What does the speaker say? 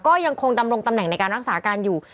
ก็ยังคงดำรงตำแหน่งในการรักษาการอยู่